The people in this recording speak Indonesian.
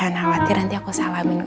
nah khawatir nanti aku salamin